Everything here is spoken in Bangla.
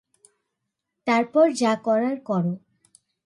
তারপর যা করার করো।